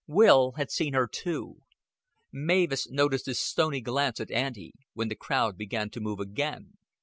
Will had seen her too. Mavis noticed his stony glance at Auntie, when the crowd began to move again.